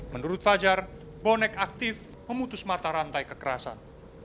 menurut fajar bonek aktif memutus mata rantai kekerasan